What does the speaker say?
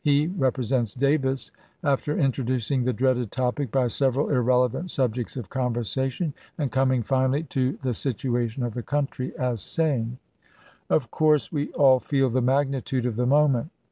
He represents Davis, after in troducing the dreaded topic by several irrelevant subjects of conversation and coming finally to " the situation of the country," as saying :" Of course we all feel the magnitude of the moment.